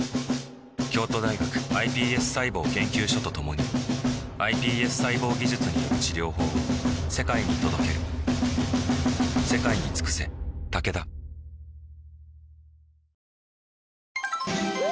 京都大学ｉＰＳ細胞研究所と共にｉＰＳ細胞技術による治療法を世界に届ける洗っても落ちない